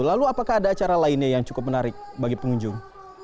lalu apakah ada acara lainnya yang cukup menarik bagi pengunjung